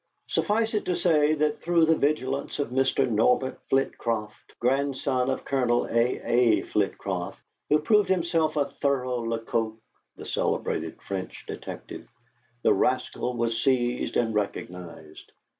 Suffice it to say that through the vigilance of Mr. Norbert Flitcroft, grandson of Colonel A. A. Flitcroft, who proved himself a thorough Lecoq (the celebrated French detective), the rascal was seized and recognized.